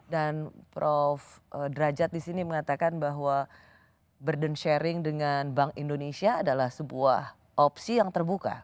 dan prof drajat disini mengatakan bahwa burden sharing dengan bank indonesia adalah sebuah opsi yang terbuka